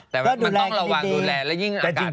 แต่มันต้องระวังดูแลยิ่งอากาศร้อนดิวนะ